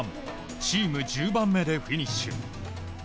チーム１０番目でフィニッシュ。